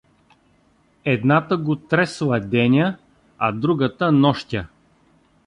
Едната го тресла деня, а другата — нощя.